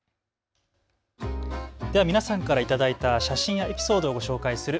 では皆さんから頂いた写真やエピソードをご紹介する＃